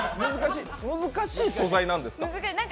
難しい素材なんですか？